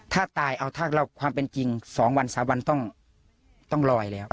ถ้าตายเอาถ้าความเป็นจริง๒วัน๓วันต้องลอยแล้ว